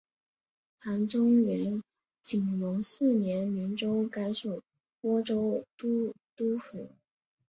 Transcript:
唐中宗景龙四年明州改属播州都督府。